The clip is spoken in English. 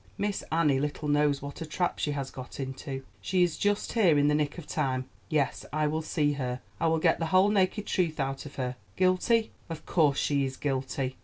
Miss Annie little knows what a trap she has got into. She is just here in the nick of time. Yes, I will see her; I will get the whole naked truth out of her. Guilty! of course she is guilty.